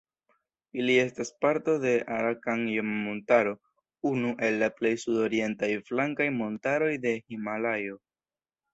Ili estas parto de Arakan-Joma-Montaro, unu el la plej sudorientaj flankaj montaroj de Himalajo.